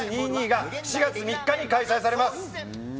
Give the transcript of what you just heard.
’２２が７月３日に開催されます。